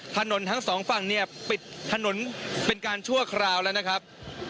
ทั้งสองฝั่งเนี่ยปิดถนนเป็นการชั่วคราวแล้วนะครับ